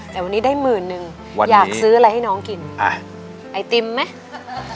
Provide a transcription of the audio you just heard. แต่วันนี้ได้หมื่นนึงอยากซื้ออะไรให้น้องกินอ่าไอติมไหม